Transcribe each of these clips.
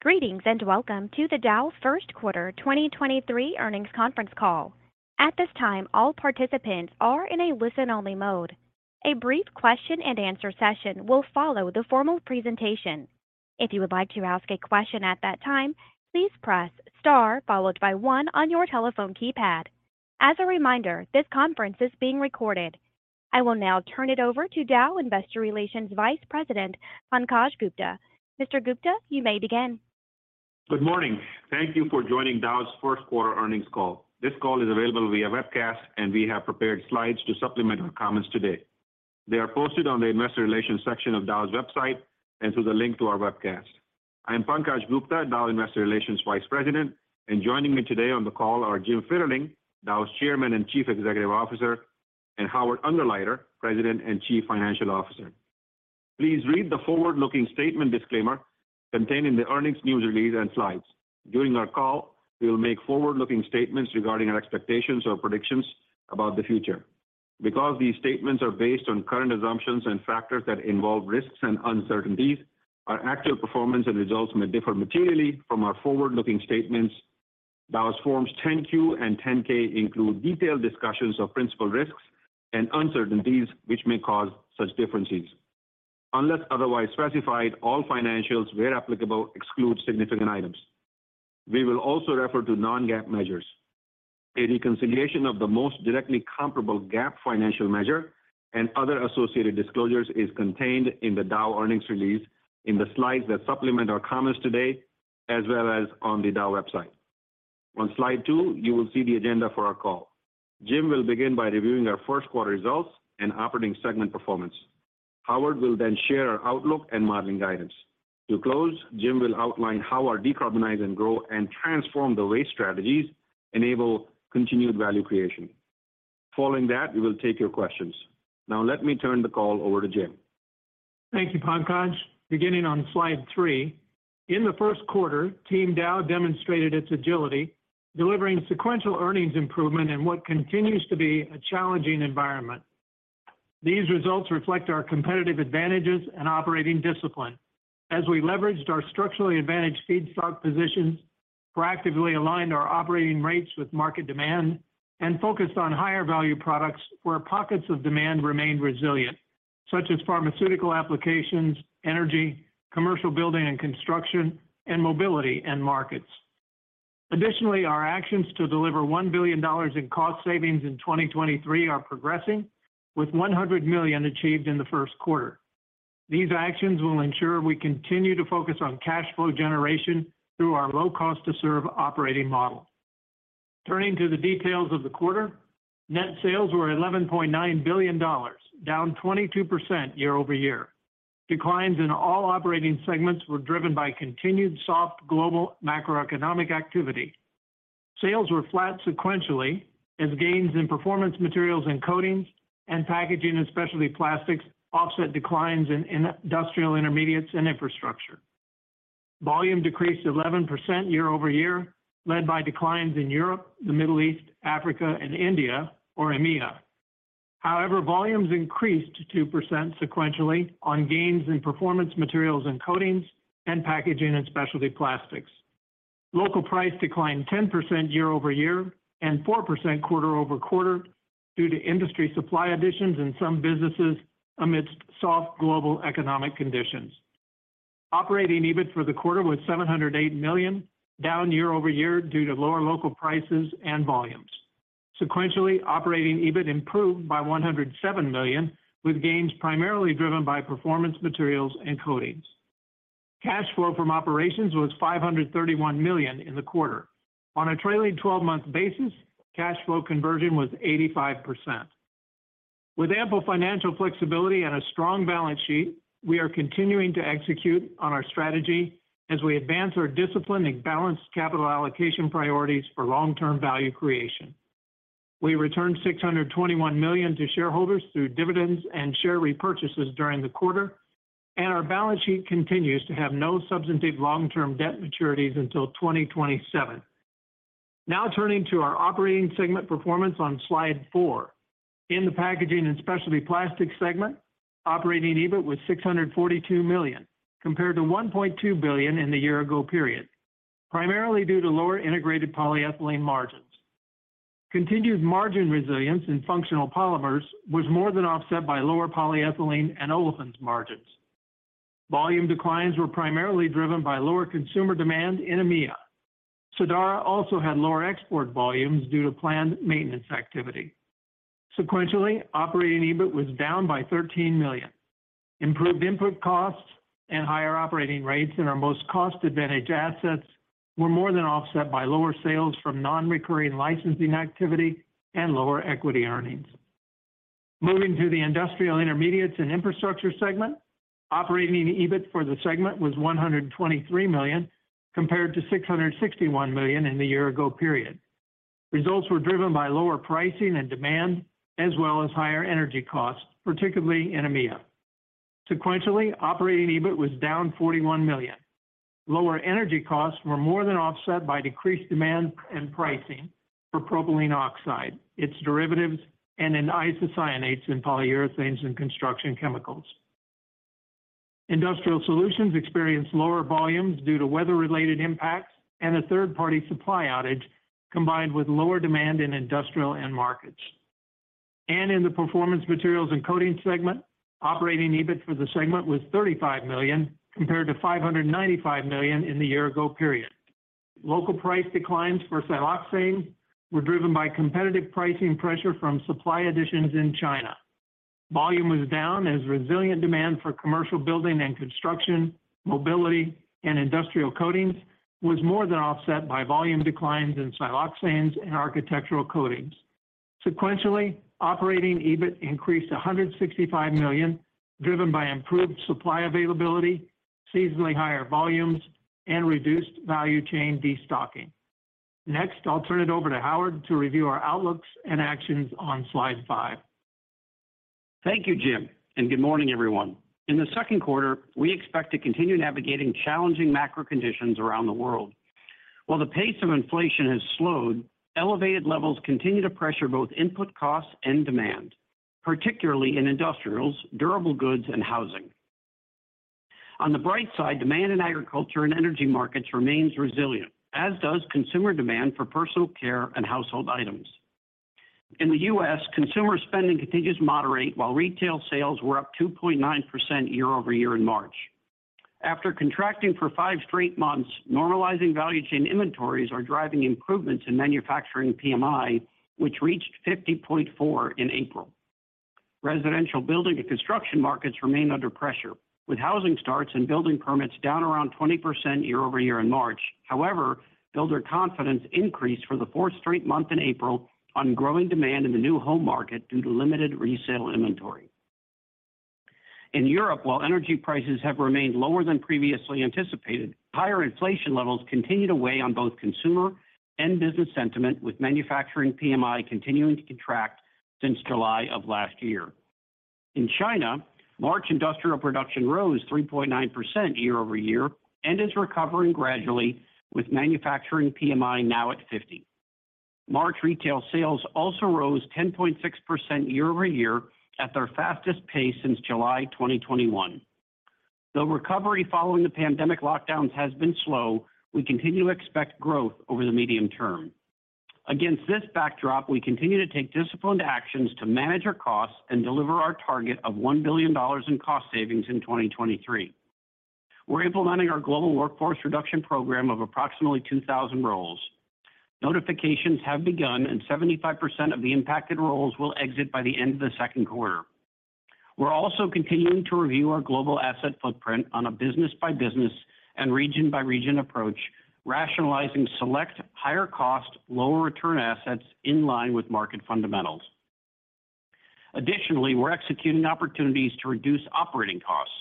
Greetings, welcome to the Dow First Quarter 2023 Earnings Conference Call. At this time, all participants are in a listen-only mode. A brief question and answer session will follow the formal presentation. If you would like to ask a question at that time, please press star followed by one on your telephone keypad. As a reminder, this conference is being recorded. I will now turn it over to Dow Investor Relations Vice President, Pankaj Gupta. Mr. Gupta, you may begin. Good morning. Thank you for joining Dow's first quarter earnings call. This call is available via webcast. We have prepared slides to supplement our comments today. They are posted on the investor relations section of Dow's website and through the link to our webcast. I am Pankaj Gupta, Dow Investor Relations Vice President. Joining me today on the call are Jim Fitterling, Dow's Chairman and Chief Executive Officer, and Howard Ungerleider, President and Chief Financial Officer. Please read the forward-looking statement disclaimer contained in the earnings news release and slides. During our call, we will make forward-looking statements regarding our expectations or predictions about the future. Because these statements are based on current assumptions and factors that involve risks and uncertainties, our actual performance and results may differ materially from our forward-looking statements. Dow's Forms 10-Q and 10-K include detailed discussions of principal risks and uncertainties which may cause such differences. Unless otherwise specified, all financials where applicable exclude significant items. We will also refer to non-GAAP measures. A reconciliation of the most directly comparable GAAP financial measure and other associated disclosures is contained in the Dow earnings release in the slides that supplement our comments today, as well as on the Dow website. On slide two, you will see the agenda for our call. Jim will begin by reviewing our first quarter results and operating segment performance. Howard will then share our outlook and modeling guidance. To close, Jim will outline how our decarbonize and grow and transform the waste strategies enable continued value creation. Following that, we will take your questions. Now let me turn the call over to Jim. Thank you, Pankaj. Beginning on slide three. In the first quarter, Team Dow demonstrated its agility, delivering sequential earnings improvement in what continues to be a challenging environment. These results reflect our competitive advantages and operating discipline as we leveraged our structurally advantaged feedstock positions, proactively aligned our operating rates with market demand, and focused on higher value products where pockets of demand remained resilient, such as pharmaceutical applications, energy, commercial building and construction, and mobility end markets. Our actions to deliver $1 billion in cost savings in 2023 are progressing, with $100 million achieved in the first quarter. These actions will ensure we continue to focus on cash flow generation through our low cost to serve operating model. Turning to the details of the quarter. Net sales were $11.9 billion, down 22% year-over-year. Declines in all operating segments were driven by continued soft global macroeconomic activity. Sales were flat sequentially as gains in Performance Materials & Coatings and Packaging & Specialty Plastics offset declines in Industrial Intermediates & Infrastructure. Volume decreased 11% year-over-year, led by declines in Europe, the Middle East, Africa and India, or EMEA. Volumes increased 2% sequentially on gains in Performance Materials & Coatings and Packaging & Specialty Plastics. Local price declined 10% year-over-year and 4% quarter-over-quarter due to industry supply additions in some businesses amidst soft global economic conditions. Operating EBIT for the quarter was $708 million, down year-over-year due to lower local prices and volumes. Sequentially, operating EBIT improved by $107 million, with gains primarily driven by Performance Materials & Coatings. Cash flow from operations was $531 million in the quarter. On a trailing-twelve-month basis, cash flow conversion was 85%. With ample financial flexibility and a strong balance sheet, we are continuing to execute on our strategy as we advance our disciplined and balanced capital allocation priorities for long-term value creation. We returned $621 million to shareholders through dividends and share repurchases during the quarter, and our balance sheet continues to have no substantive long-term debt maturities until 2027. Turning to our operating segment performance on slide four. In the Packaging & Specialty Plastics segment, operating EBIT was $642 million, compared to $1.2 billion in the year ago period, primarily due to lower integrated polyethylene margins. Continued margin resilience in functional polymers was more than offset by lower polyethylene and olefins margins. Volume declines were primarily driven by lower consumer demand in EMEA. Sadara also had lower export volumes due to planned maintenance activity. Sequentially, operating EBIT was down by $13 million. Improved input costs and higher operating rates in our most cost-advantaged assets were more than offset by lower sales from non-recurring licensing activity and lower equity earnings. Moving to the Industrial Intermediates & Infrastructure segment, operating EBIT for the segment was $123 million compared to $661 million in the year ago period. Results were driven by lower pricing and demand as well as higher energy costs, particularly in EMEA. Sequentially, operating EBIT was down $41 million. Lower energy costs were more than offset by decreased demand and pricing. For propylene oxide, its derivatives, and in isocyanates in Polyurethanes & Construction Chemicals. Industrial Solutions experienced lower volumes due to weather-related impacts and a third-party supply outage, combined with lower demand in industrial end markets. In the Performance Materials & Coatings segment, operating EBIT for the segment was $35 million, compared to $595 million in the year ago period. Local price declines for siloxane were driven by competitive pricing pressure from supply additions in China. Volume was down as resilient demand for commercial building and construction, mobility, and industrial coatings was more than offset by volume declines in siloxanes and architectural coatings. Sequentially, operating EBIT increased $165 million, driven by improved supply availability, seasonally higher volumes, and reduced value chain destocking. Next, I'll turn it over to Howard to review our outlooks and actions on slide five. Thank you, Jim, good morning, everyone. In the second quarter, we expect to continue navigating challenging macro conditions around the world. While the pace of inflation has slowed, elevated levels continue to pressure both input costs and demand, particularly in industrials, durable goods, and housing. On the bright side, demand in agriculture and energy markets remains resilient, as does consumer demand for personal care and household items. In the U.S., consumer spending continues to moderate, while retail sales were up 2.9% year-over-year in March. After contracting for five straight months, normalizing value chain inventories are driving improvements in manufacturing PMI, which reached 50.4 in April. Residential building and construction markets remain under pressure, with housing starts and building permits down around 20% year-over-year in March. However, builder confidence increased for the fourth straight month in April on growing demand in the new home market due to limited resale inventory. In Europe, while energy prices have remained lower than previously anticipated, higher inflation levels continue to weigh on both consumer and business sentiment, with manufacturing PMI continuing to contract since July of last year. In China, March industrial production rose 3.9% year-over-year and is recovering gradually with manufacturing PMI now at 50. March retail sales also rose 10.6% year-over-year at their fastest pace since July 2021. The recovery following the pandemic lockdowns has been slow. We continue to expect growth over the medium term. Against this backdrop, we continue to take disciplined actions to manage our costs and deliver our target of $1 billion in cost savings in 2023. We're implementing our global workforce reduction program of approximately 2,000 roles. Notifications have begun, 75% of the impacted roles will exit by the end of the second quarter. We're also continuing to review our global asset footprint on a business-by-business and region-by-region approach, rationalizing select higher cost, lower return assets in line with market fundamentals. Additionally, we're executing opportunities to reduce operating costs.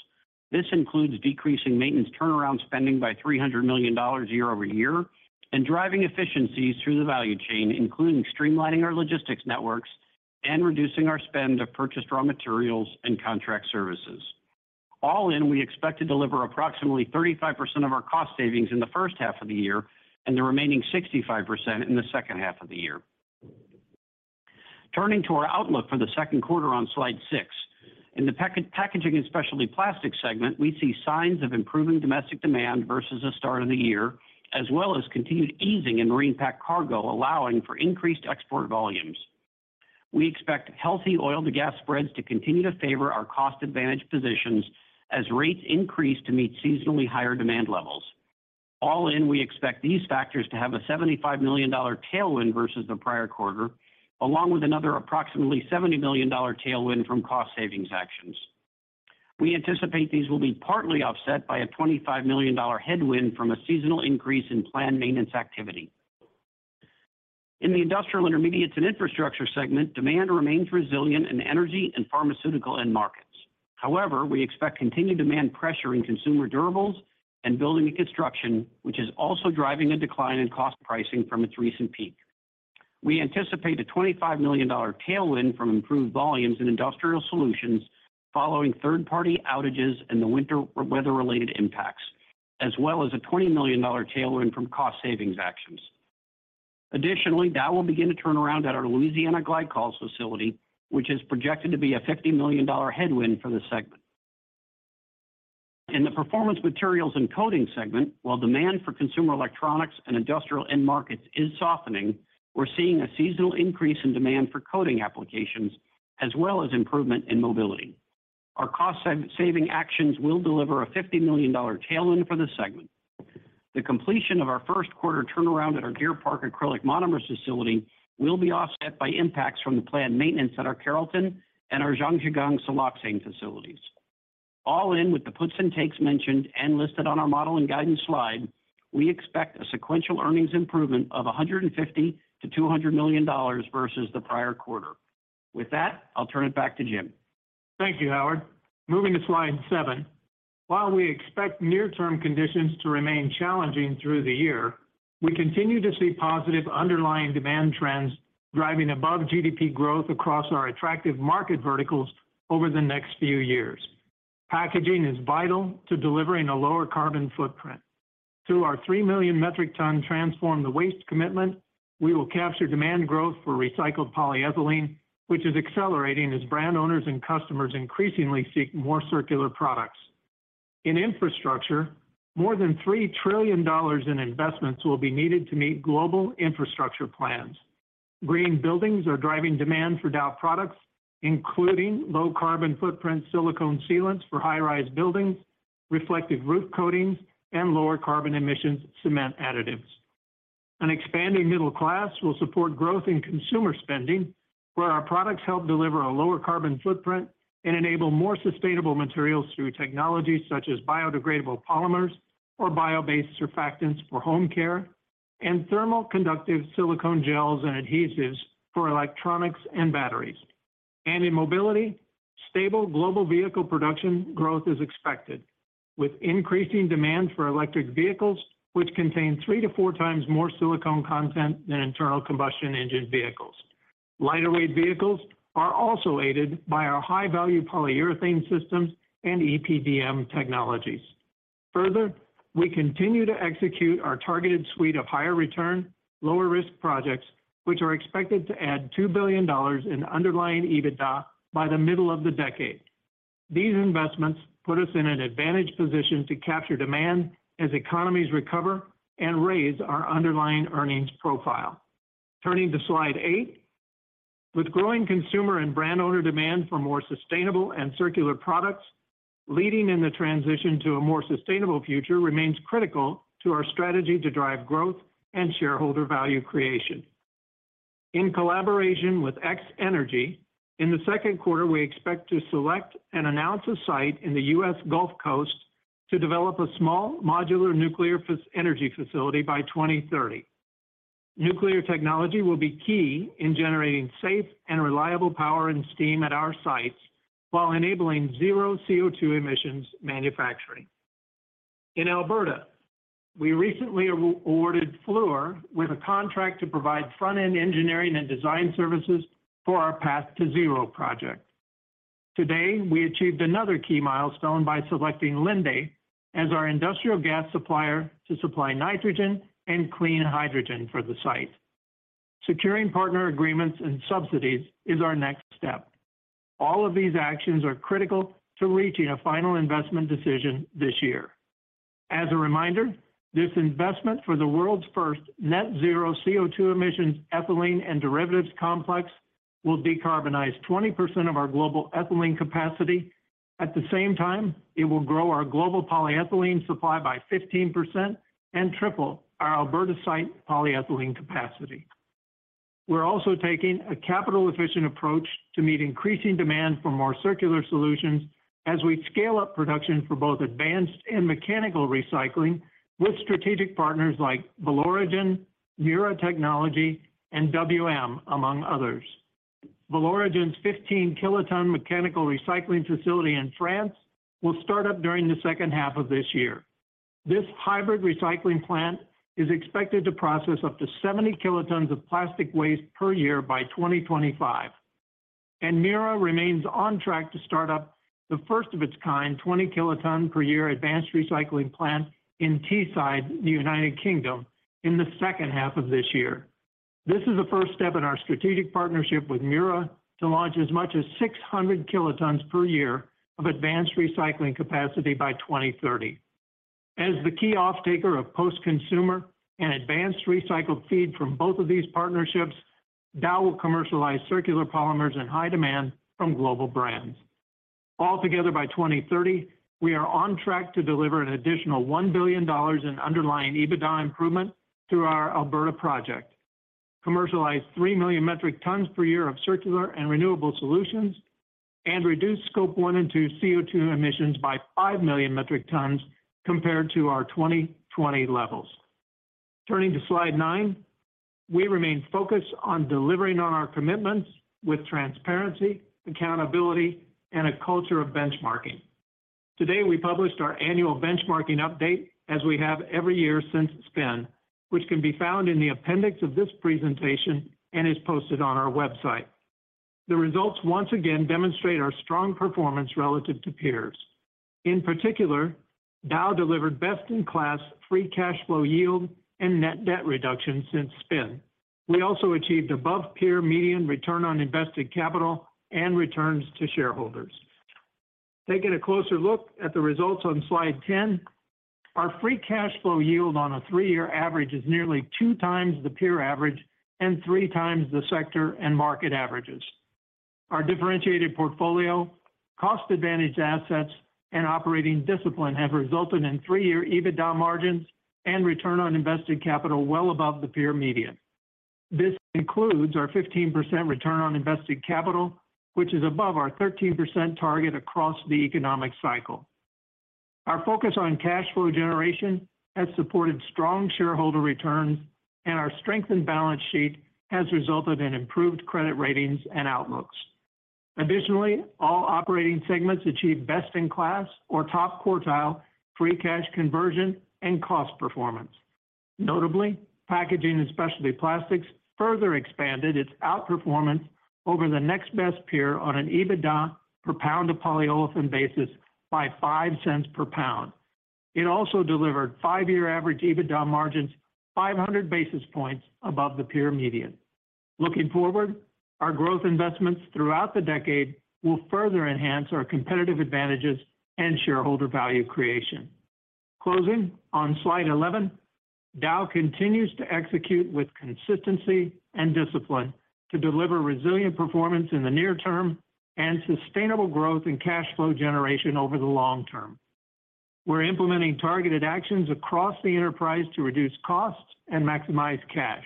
This includes decreasing maintenance turnaround spending by $300 million year-over-year and driving efficiencies through the value chain, including streamlining our logistics networks and reducing our spend of purchased raw materials and contract services. All in, we expect to deliver approximately 35% of our cost savings in the first half of the year and the remaining 65% in the second half of the year. Turning to our outlook for the second quarter on slide six. In the Packaging & Specialty Plastics segment, we see signs of improving domestic demand versus the start of the year, as well as continued easing in marine pack cargo, allowing for increased export volumes. We expect healthy oil to gas spreads to continue to favor our cost advantage positions as rates increase to meet seasonally higher demand levels. All in, we expect these factors to have a $75 million tailwind versus the prior quarter, along with another approximately $70 million tailwind from cost savings actions. We anticipate these will be partly offset by a $25 million headwind from a seasonal increase in planned maintenance activity. In the Industrial Intermediates & Infrastructure segment, demand remains resilient in energy and pharmaceutical end markets. However, we expect continued demand pressure in consumer durables and building and construction, which is also driving a decline in cost pricing from its recent peak. We anticipate a $25 million tailwind from improved volumes in Industrial Solutions following third-party outages and the winter weather-related impacts, as well as a $20 million tailwind from cost savings actions. Dow will begin to turn around at our Louisiana Glycol facility, which is projected to be a $50 million headwind for the segment. In the Performance Materials & Coatings segment, while demand for consumer electronics and industrial end markets is softening, we're seeing a seasonal increase in demand for coating applications as well as improvement in mobility. Our cost saving actions will deliver a $50 million tailwind for the segment. The completion of our first quarter turnaround at our Deer Park acrylic monomers facility will be offset by impacts from the planned maintenance at our Carrollton and our Zhangjiagang siloxane facilities. All in with the puts and takes mentioned and listed on our model and guidance slide, we expect a sequential earnings improvement of $150 million-$200 million versus the prior quarter. With that, I'll turn it back to Jim. Thank you, Howard. Moving to slide seven. While we expect near-term conditions to remain challenging through the year, we continue to see positive underlying demand trends driving above GDP growth across our attractive market verticals over the next few years. Packaging is vital to delivering a lower carbon footprint. Through our 3 million metric ton transform the waste commitment, we will capture demand growth for recycled polyethylene, which is accelerating as brand owners and customers increasingly seek more circular products. In infrastructure, more than $3 trillion in investments will be needed to meet global infrastructure plans. Green buildings are driving demand for Dow products, including low carbon footprint silicone sealants for high-rise buildings, reflective roof coatings, and lower carbon emissions cement additives. In mobility, stable global vehicle production growth is expected, with increasing demand for electric vehicles, which contain 3x-4x more silicone content than internal combustion engine vehicles. Lighter weight vehicles are also aided by our high-value polyurethane systems and EPDM technologies. Further, we continue to execute our targeted suite of higher return, lower risk projects, which are expected to add $2 billion in underlying EBITDA by the middle of the decade. These investments put us in an advantaged position to capture demand as economies recover and raise our underlying earnings profile. Turning to slide eight. With growing consumer and brand owner demand for more sustainable and circular products, leading in the transition to a more sustainable future remains critical to our strategy to drive growth and shareholder value creation. In collaboration with X-energy, in the second quarter, we expect to select and announce a site in the U.S. Gulf Coast to develop a small modular nuclear energy facility by 2030. Nuclear technology will be key in generating safe and reliable power and steam at our sites while enabling zero CO2 emissions manufacturing. In Alberta, we recently awarded Fluor with a contract to provide front-end engineering and design services for our Path to Zero project. Today, we achieved another key milestone by selecting Linde as our industrial gas supplier to supply nitrogen and clean hydrogen for the site. Securing partner agreements and subsidies is our next step. All of these actions are critical to reaching a final investment decision this year. As a reminder, this investment for the world's first net-zero CO2 emissions ethylene and derivatives complex will decarbonize 20% of our global ethylene capacity. At the same time, it will grow our global polyethylene supply by 15% and triple our Alberta site polyethylene capacity. We're also taking a capital efficient approach to meet increasing demand for more circular solutions as we scale up production for both advanced and mechanical recycling with strategic partners like Valoregen, Mura Technology, and WM, among others. Valoregen's 15 kiloton mechanical recycling facility in France will start up during the second half of this year. This hybrid recycling plant is expected to process up to 70 kilotons of plastic waste per year by 2025. Mura remains on track to start up the first of its kind, 20 kiloton per year advanced recycling plant in Teesside, the United Kingdom, in the second half of this year. This is the first step in our strategic partnership with Mura to launch as much as 600 kilotons per year of advanced recycling capacity by 2030. As the key off-taker of post-consumer and advanced recycled feed from both of these partnerships, Dow will commercialize circular polymers in high demand from global brands. All together by 2030, we are on track to deliver an additional $1 billion in underlying EBITDA improvement through our Alberta project, commercialize 3 million metric tons per year of circular and renewable solutions, and reduce scope one and two CO2 emissions by 5 million metric tons compared to our 2020 levels. Turning to slide nine. We remain focused on delivering on our commitments with transparency, accountability, and a culture of benchmarking. Today, we published our annual benchmarking update as we have every year since spin, which can be found in the appendix of this presentation and is posted on our website. The results once again demonstrate our strong performance relative to peers. In particular, Dow delivered best-in-class free cash flow yield and net debt reduction since spin. We also achieved above peer median return on invested capital and returns to shareholders. Taking a closer look at the results on slide 10. Our free cash flow yield on a three-year average is nearly 2x the peer average and 3x the sector and market averages. Our differentiated portfolio, cost advantage assets, and operating discipline have resulted in three-year EBITDA margins and return on invested capital well above the peer median. This includes our 15% return on invested capital, which is above our 13% target across the economic cycle. Our focus on cash flow generation has supported strong shareholder returns, and our strengthened balance sheet has resulted in improved credit ratings and outlooks. Additionally, all operating segments achieve best in class or top quartile free cash conversion and cost performance. Notably, Packaging & Specialty Plastics further expanded its outperformance over the next best peer on an EBITDA per pound of polyolefin basis by $0.05 per pound. It also delivered five-year average EBITDA margins 500 basis points above the peer median. Looking forward, our growth investments throughout the decade will further enhance our competitive advantages and shareholder value creation. Closing on slide 11, Dow continues to execute with consistency and discipline to deliver resilient performance in the near term and sustainable growth in cash flow generation over the long term. We're implementing targeted actions across the enterprise to reduce costs and maximize cash.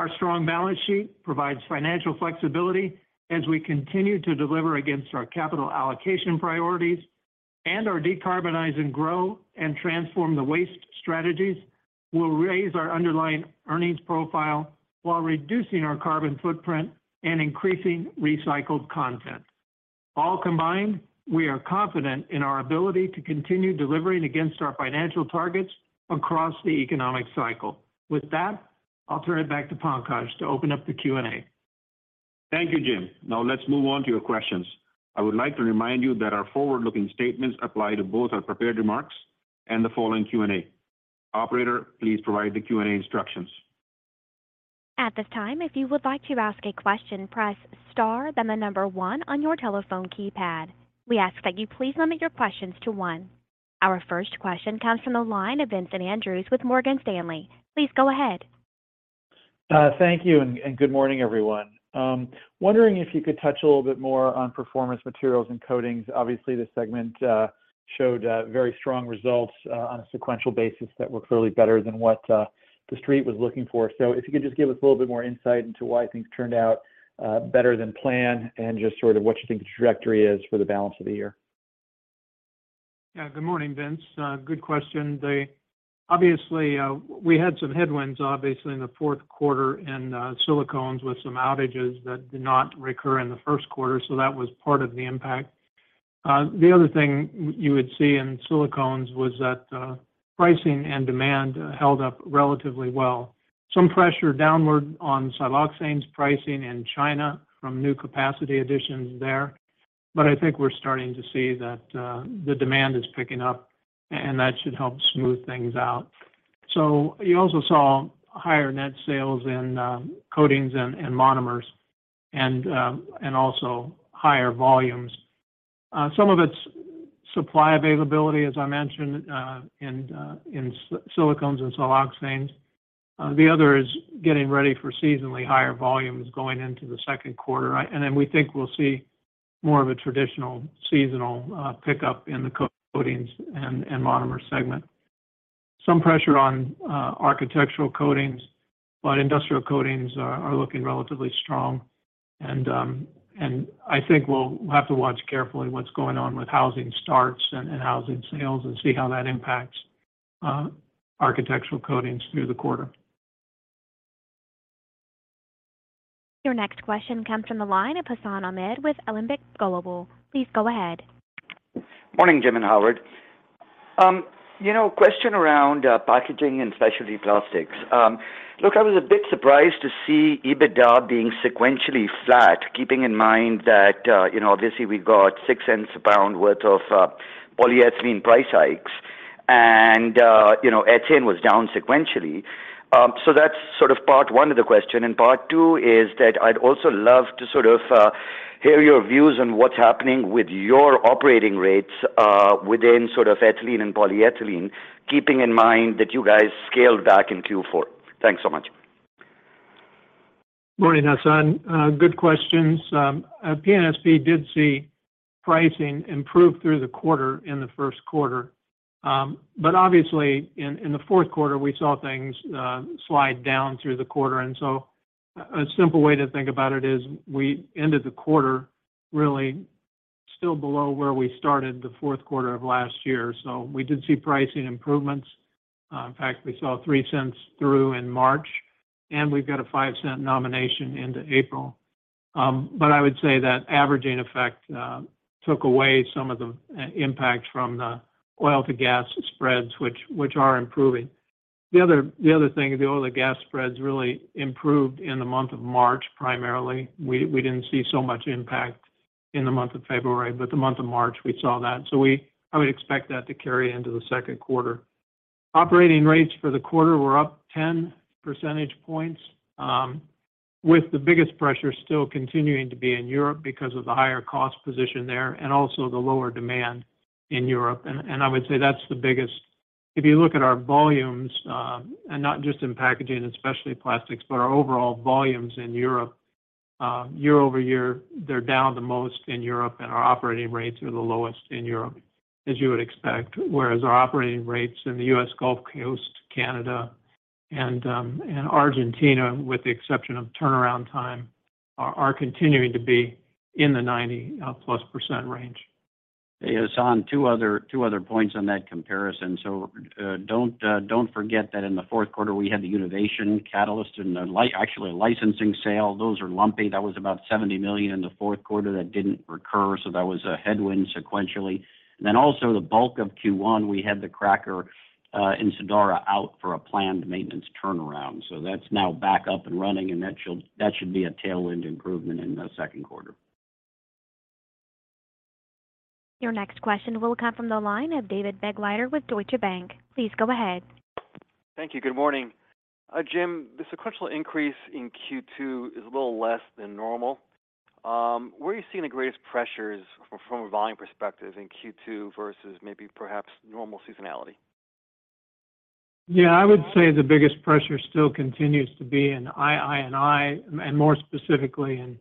Our strong balance sheet provides financial flexibility as we continue to deliver against our capital allocation priorities and our decarbonize and grow and transform the waste strategies will raise our underlying earnings profile while reducing our carbon footprint and increasing recycled content. All combined, we are confident in our ability to continue delivering against our financial targets across the economic cycle. With that, I'll turn it back to Pankaj to open up the Q&A. Thank you, Jim. Now let's move on to your questions. I would like to remind you that our forward-looking statements apply to both our prepared remarks and the following Q&A. Operator, please provide the Q&A instructions. At this time, if you would like to ask a question, press star, then the one on your telephone keypad. We ask that you please limit your questions to one. Our first question comes from the line of Vincent Andrews with Morgan Stanley. Please go ahead. Thank you and good morning, everyone. Wondering if you could touch a little bit more on Performance Materials & Coatings. Obviously, this segment showed very strong results on a sequential basis that were clearly better than what the Street was looking for. If you could just give us a little bit more insight into why things turned out better than planned and just sort of what you think the trajectory is for the balance of the year. Good morning, Vince. Good question. Obviously, we had some headwinds, obviously, in the fourth quarter in silicones with some outages that did not recur in the first quarter, so that was part of the impact. The other thing you would see in silicones was that pricing and demand held up relatively well. Some pressure downward on siloxanes pricing in China from new capacity additions there. But I think we're starting to see that the demand is picking up, and that should help smooth things out. You also saw higher net sales in coatings and monomers and also higher volumes. Some of it's supply availability, as I mentioned, in silicones and siloxanes. The other is getting ready for seasonally higher volumes going into the second quarter. We think we'll see more of a traditional seasonal pickup in the coatings and monomer segment. Some pressure on architectural coatings, but industrial coatings are looking relatively strong. I think we'll have to watch carefully what's going on with housing starts and housing sales and see how that impacts architectural coatings through the quarter. Your next question comes from the line of Hassan Ahmed with Alembic Global. Please go ahead. Morning, Jim and Howard. you know, question around Packaging & Specialty Plastics. look, I was a bit surprised to see EBITDA being sequentially flat, keeping in mind that, you know, obviously we got $0.06 a pound worth of polyethylene price hikes and, you know, ethene was down sequentially. That's sort of part one of the question. part two is that I'd also love to sort of hear your views on what's happening with your operating rates within sort of ethylene and polyethylene, keeping in mind that you guys scaled back in Q4. Thanks so much. Morning, Hassan. Good questions. P&SP did see pricing improve through the quarter in the first quarter. Obviously in the fourth quarter, we saw things slide down through the quarter. A simple way to think about it is we ended the quarter really still below where we started the fourth quarter of last year. We did see pricing improvements. In fact, we saw $0.03 through in March, and we've got a $0.05 nomination into April. I would say that averaging effect took away some of the impact from the oil to gas spreads which are improving. The other thing, the oil to gas spreads really improved in the month of March, primarily. We didn't see so much impact in the month of February, the month of March we saw that. I would expect that to carry into the second quarter. Operating rates for the quarter were up 10 percentage points, with the biggest pressure still continuing to be in Europe because of the higher cost position there and also the lower demand in Europe. I would say that's the biggest. If you look at our volumes, and not just in Packaging & Specialty Plastics, but our overall volumes in Europe, year-over-year, they're down the most in Europe, and our operating rates are the lowest in Europe, as you would expect. Whereas our operating rates in the U.S. Gulf Coast, Canada, and Argentina, with the exception of turnaround time, are continuing to be in the 90+ % range. Hey, Hassan, two other points on that comparison. Don't forget that in the fourth quarter we had the Univation catalyst and actually a licensing sale. Those are lumpy. That was about $70 million in the fourth quarter that didn't recur, so that was a headwind sequentially. Also the bulk of Q1, we had the cracker in Sadara out for a planned maintenance turnaround. That's now back up and running, and that should be a tailwind improvement in the second quarter. Your next question will come from the line of David Begleiter with Deutsche Bank. Please go ahead. Thank you. Good morning. Jim, the sequential increase in Q2 is a little less than normal. Where are you seeing the greatest pressures from a volume perspective in Q2 versus maybe perhaps normal seasonality? Yeah. I would say the biggest pressure still continues to be in II&I, and more specifically in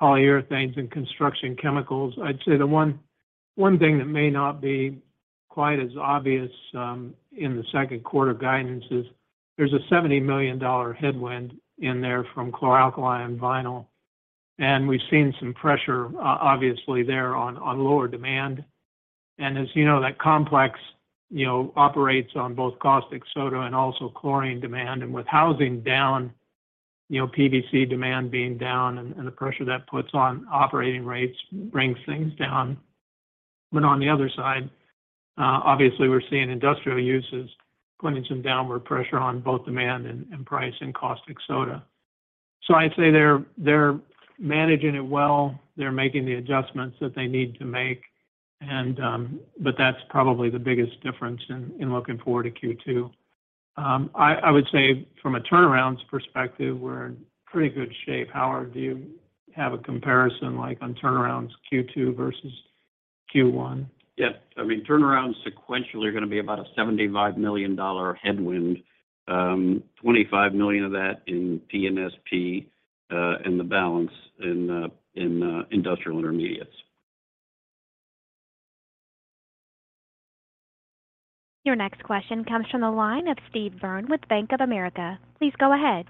Polyurethanes & Construction Chemicals. I'd say the one thing that may not be quite as obvious in the second quarter guidance is there's a $70 million headwind in there from Chlor-Alkali and Vinyl. We've seen some pressure obviously there on lower demand. As you know, that complex, you know, operates on both caustic soda and also chlorine demand. With housing down, you know, PVC demand being down and the pressure that puts on operating rates brings things down. On the other side, obviously we're seeing industrial uses putting some downward pressure on both demand and price and caustic soda. I'd say they're managing it well. They're making the adjustments that they need to make, and... That's probably the biggest difference in looking forward to Q2. I would say from a turnaround's perspective, we're in pretty good shape. Howard, do you have a comparison, like on turnarounds Q2 versus Q1? Yeah. I mean, turnarounds sequentially are gonna be about a $75 million headwind, $25 million of that in P&SP, and the balance in Industrial Intermediates. Your next question comes from the line of Steve Byrne with Bank of America. Please go ahead.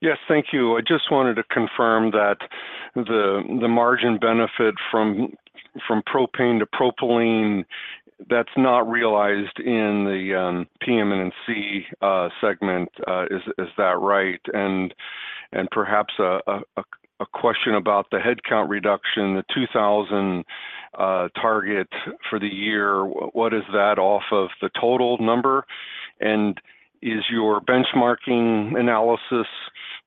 Yes, thank you. I just wanted to confirm that the margin benefit from propane to propylene, that's not realized in the PM&C segment. Is that right? Perhaps a question about the headcount reduction, the 2,000 target for the year. What is that off of the total number? And is your benchmarking analysis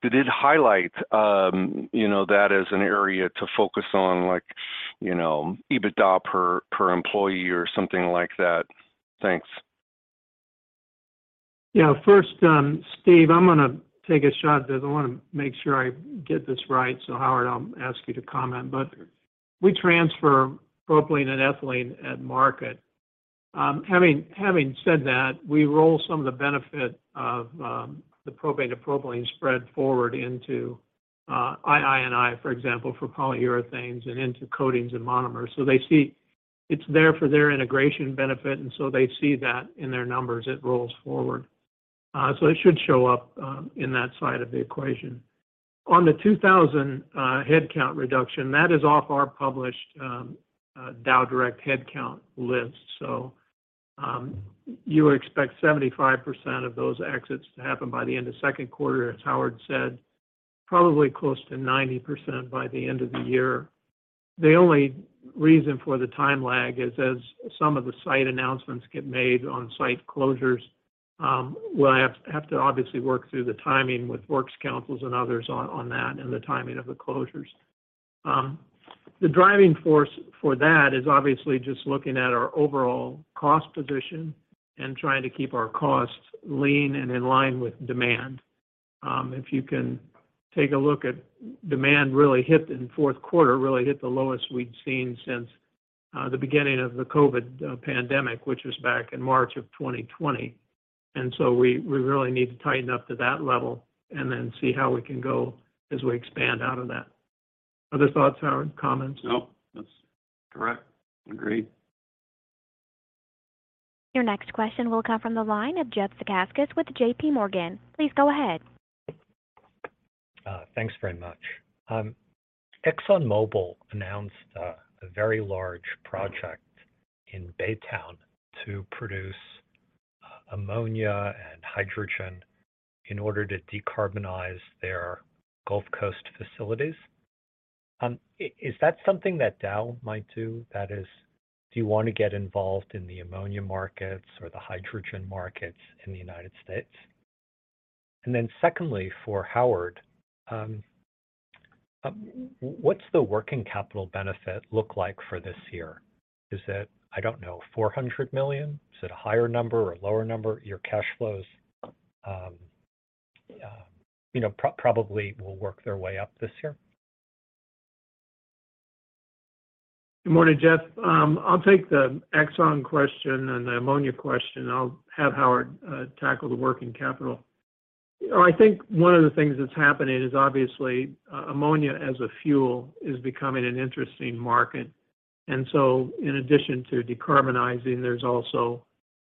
did it highlight, you know, that as an area to focus on, like, you know, EBITDA per employee or something like that? Thanks. Yeah. First, Steve, I'm gonna take a shot at this. I wanna make sure I get this right. Howard, I'll ask you to comment. We transfer propylene and ethylene at market. Having said that, we roll some of the benefit of the propane to propylene spread forward into II&I, for example, for polyurethanes and into Coatings & Performance Monomers. They see it's there for their integration benefit, they see that in their numbers. It rolls forward. It should show up in that side of the equation. On the 2,000 headcount reduction, that is off our published Dow direct headcount list. You would expect 75% of those exits to happen by the end of second quarter, as Howard said, probably close to 90% by the end of the year. The only reason for the time lag is as some of the site announcements get made on site closures, we'll have to obviously work through the timing with works councils and others on that and the timing of the closures. The driving force for that is obviously just looking at our overall cost position and trying to keep our costs lean and in line with demand. If you can take a look at demand really hit in fourth quarter, really hit the lowest we'd seen since the beginning of the COVID pandemic, which was back in March of 2020. We really need to tighten up to that level and then see how we can go as we expand out of that. Other thoughts, Howard? Comments? No. That's correct. Agreed. Your next question will come from the line of Jeff Zekauskas with JPMorgan. Please go ahead. Thanks very much. ExxonMobil announced a very large project in Baytown to produce ammonia and hydrogen in order to decarbonize their Gulf Coast facilities. Is that something that Dow might do? That is, do you wanna get involved in the ammonia markets or the hydrogen markets in the United States? Secondly, for Howard, what's the working capital benefit look like for this year? Is it, I don't know, $400 million? Is it a higher number or a lower number? Your cash flows, you know, probably will work their way up this year. Good morning, Jeff. I'll take the Exxon question and the ammonia question. I'll have Howard tackle the working capital. You know, I think one of the things that's happening is obviously, ammonia as a fuel is becoming an interesting market. In addition to decarbonizing, there's also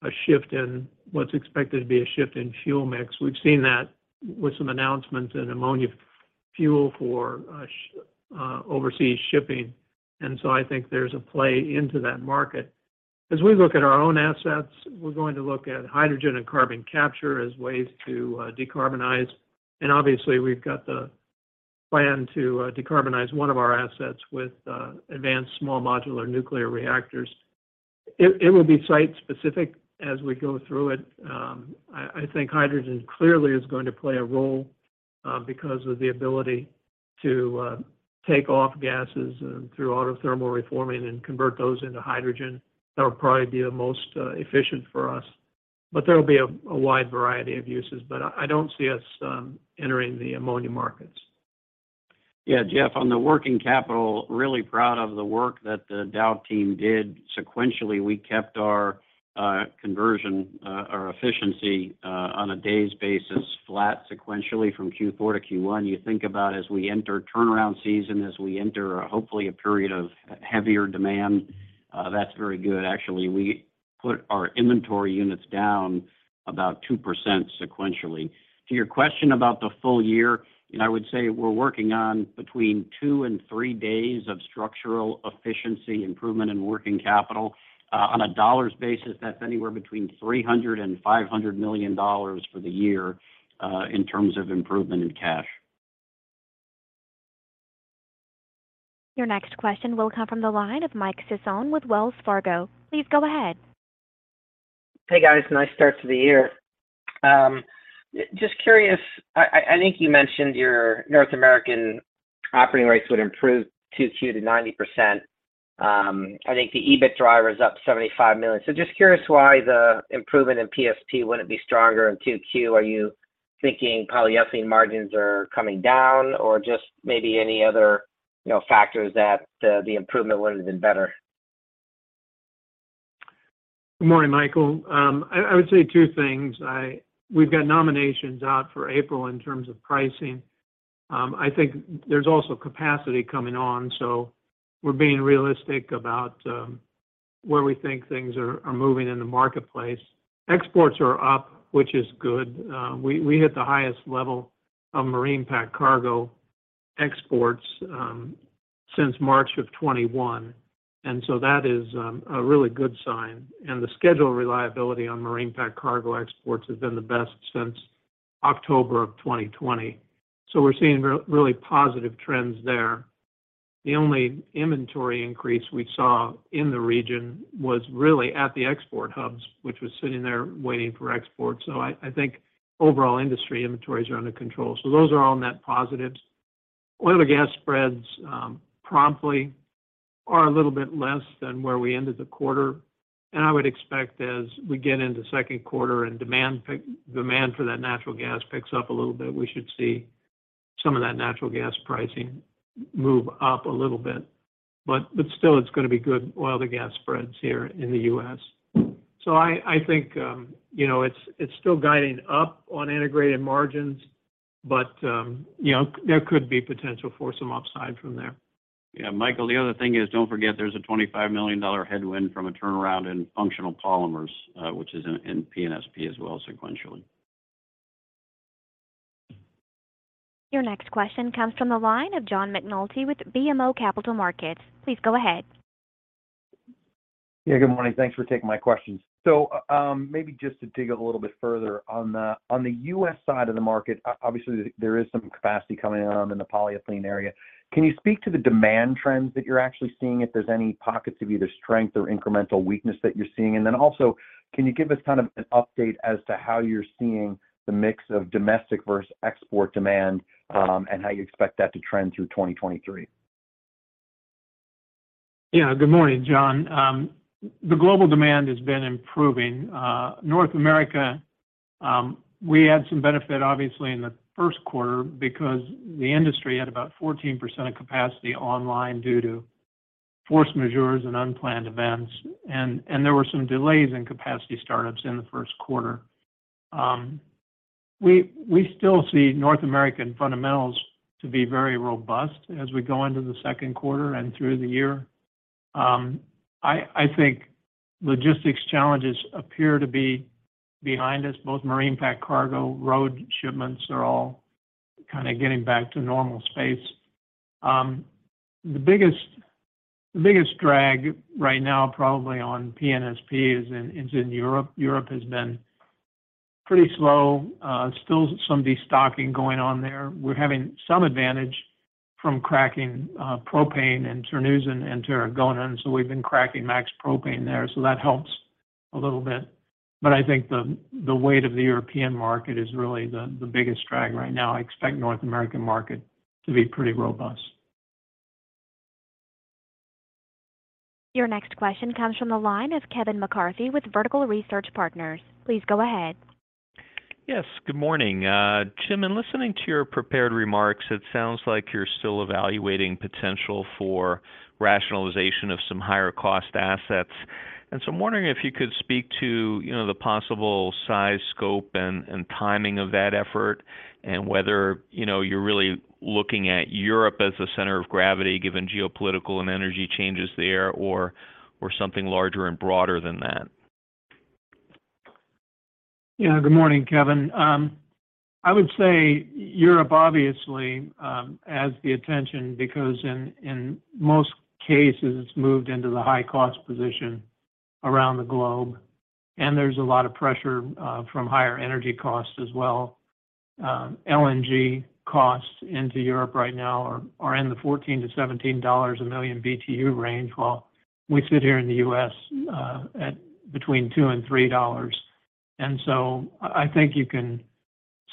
a shift in what's expected to be a shift in fuel mix. We've seen that with some announcements in ammonia fuel for overseas shipping. I think there's a play into that market. As we look at our own assets, we're going to look at hydrogen and carbon capture as ways to decarbonize. Obviously, we've got the plan to decarbonize one of our assets with advanced small modular nuclear reactors. It will be site-specific as we go through it. I think hydrogen clearly is going to play a role, because of the ability to take off gases and through autothermal reforming and convert those into hydrogen. That'll probably be the most efficient for us. There will be a wide variety of uses. I don't see us entering the ammonia markets. Yeah. Jeff, on the working capital, really proud of the work that the Dow team did. Sequentially, we kept our conversion, our efficiency, on a days basis flat sequentially from Q4 to Q1. You think about as we enter turnaround season, as we enter, hopefully, a period of heavier demand, that's very good. Actually, we put our inventory units down about 2% sequentially. To your question about the full year, you know, I would say we're working on between two and three days of structural efficiency improvement in working capital. On a dollars basis, that's anywhere between $300 million-$500 million for the year, in terms of improvement in cash. Your next question will come from the line of Mike Sison with Wells Fargo. Please go ahead. Hey, guys. Nice start to the year. Just curious, I think you mentioned your North American operating rates would improve 2Q to 90%. I think the EBIT driver is up $75 million. Just curious why the improvement in P&SP wouldn't be stronger in 2Q. Are you thinking polyethylene margins are coming down or just maybe any other, you know, factors that the improvement would have been better? Good morning, Michael. I would say two things. We've got nominations out for April in terms of pricing. I think there's also capacity coming on, we're being realistic about where we think things are moving in the marketplace. Exports are up, which is good. We hit the highest level of marine pack cargo exports since March of 2021, that is a really good sign. The schedule reliability on marine pack cargo exports has been the best since October of 2020. We're seeing really positive trends there. The only inventory increase we saw in the region was really at the export hubs, which was sitting there waiting for export. I think overall industry inventories are under control. Those are all net positives. Oil to gas spreads, promptly are a little bit less than where we ended the quarter. I would expect as we get into second quarter and demand for that natural gas picks up a little bit, we should see some of that natural gas pricing move up a little bit. Still it's gonna be good oil to gas spreads here in the U.S. I, you know, it's still guiding up on integrated margins, but, you know, there could be potential for some upside from there. Yeah. Michael, the other thing is, don't forget there's a $25 million headwind from a turnaround in functional polymers, which is in P&SP as well sequentially. Your next question comes from the line of John McNulty with BMO Capital Markets. Please go ahead. Yeah, good morning. Thanks for taking my questions. Maybe just to dig a little bit further. On the U.S. side of the market, obviously, there is some capacity coming out in the polyethylene area. Can you speak to the demand trends that you're actually seeing, if there's any pockets of either strength or incremental weakness that you're seeing? Also, can you give us kind of an update as to how you're seeing the mix of domestic versus export demand, and how you expect that to trend through 2023? Good morning, John. The global demand has been improving. North America, we had some benefit obviously in the first quarter because the industry had about 14% of capacity online due to force majeures and unplanned events, and there were some delays in capacity startups in the first quarter. We still see North American fundamentals to be very robust as we go into the second quarter and through the year. I think logistics challenges appear to be behind us, both marine packed cargo, road shipments are all kind of getting back to normal space. The biggest drag right now probably on P&SP is in Europe. Europe has been pretty slow. Still some destocking going on there. We're having some advantage from cracking propane in Terneuzen and Tarragona, so we've been cracking max propane there, so that helps a little bit. I think the weight of the European market is really the biggest drag right now. I expect North American market to be pretty robust. Your next question comes from the line of Kevin McCarthy with Vertical Research Partners. Please go ahead. Yes, good morning. Jim, in listening to your prepared remarks, it sounds like you're still evaluating potential for rationalization of some higher cost assets. I'm wondering if you could speak to, you know, the possible size, scope, and timing of that effort and whether, you know, you're really looking at Europe as the center of gravity given geopolitical and energy changes there or something larger and broader than that? Yeah. Good morning, Kevin. I would say Europe obviously, has the attention because in most cases, it's moved into the high cost position around the globe, and there's a lot of pressure from higher energy costs as well. LNG costs into Europe right now are in the $14-$17 a million BTU range while we sit here in the U.S. at between $2 and $3. I think you can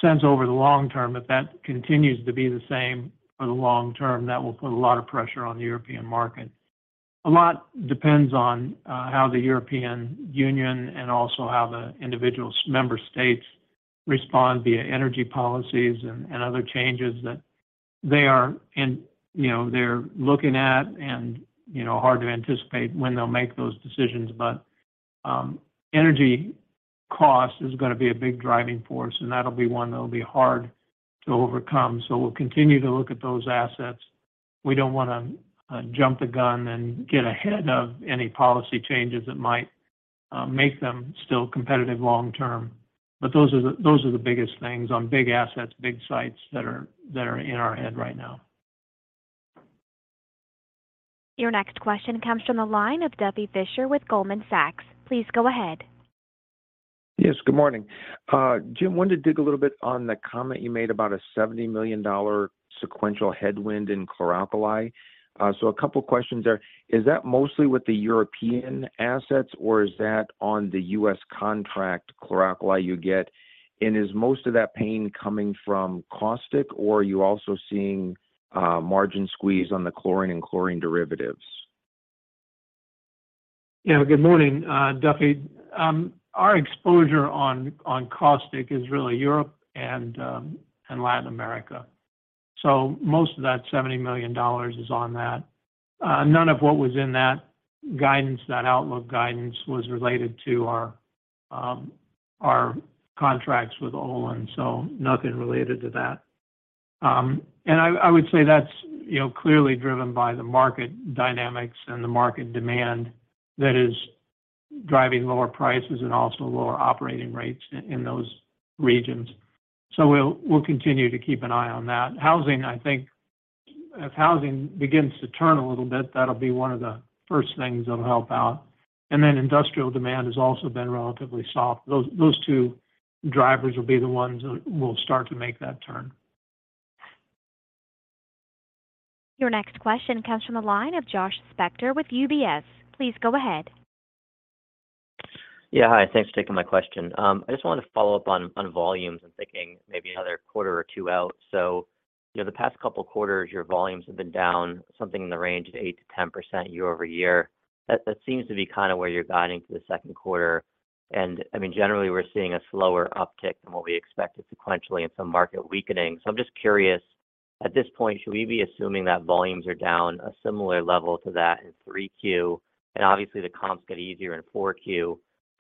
sense over the long term if that continues to be the same for the long term, that will put a lot of pressure on the European market. A lot depends on how the European Union and also how the individual member states respond via energy policies and other changes that they are in you know, they're looking at and, you know, hard to anticipate when they'll make those decisions. Energy cost is gonna be a big driving force, and that'll be one that'll be hard to overcome. We'll continue to look at those assets. We don't wanna jump the gun and get ahead of any policy changes that might make them still competitive long term. Those are the, those are the biggest things on big assets, big sites that are, that are in our head right now. Your next question comes from the line of Duffy Fischer with Goldman Sachs. Please go ahead. Yes, good morning. Jim, wanted to dig a little bit on the comment you made about a $70 million sequential headwind in chlor-alkali. A couple questions there. Is that mostly with the European assets, or is that on the U.S. contract chlor-alkali you get? Is most of that pain coming from caustic, or are you also seeing margin squeeze on the chlorine and chlorine derivatives? Good morning, Duffy. Our exposure on caustic is really Europe and Latin America. Most of that $70 million is on that. None of what was in that guidance, that outlook guidance was related to our contracts with Olin, so nothing related to that. I would say that's, you know, clearly driven by the market dynamics and the market demand that is driving lower prices and also lower operating rates in those regions. We'll, we'll continue to keep an eye on that. Housing, I think as housing begins to turn a little bit, that'll be one of the first things that'll help out. Then industrial demand has also been relatively soft. Those two drivers will be the ones that will start to make that turn. Your next question comes from the line of Josh Spector with UBS. Please go ahead. Yeah. Hi. Thanks for taking my question. I just wanted to follow up on volumes. I'm thinking maybe another quarter or two out. You know, the past couple quarters, your volumes have been down something in the range of 8%-10% year-over-year. That seems to be kind of where you're guiding through the second quarter. I mean, generally we're seeing a slower uptick than what we expected sequentially and some market weakening. I'm just curious, at this point, should we be assuming that volumes are down a similar level to that in 3Q? Obviously the comps get easier in 4Q.